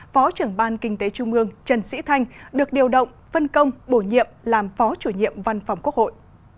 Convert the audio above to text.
phó trưởng ban kinh tế trung ương trần sĩ thanh được điều động phân công bổ nhiệm làm phó chủ nhiệm văn phòng quốc hội